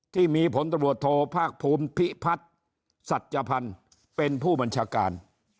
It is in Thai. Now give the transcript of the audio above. ที่มีผลตำรวจโทภาคภูมิพิพัฒน์สัจพันธ์เป็นผู้บัญชาการ